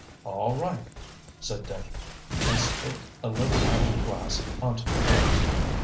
"All right," said Dick, and spilt a little out of the glass onto the floor.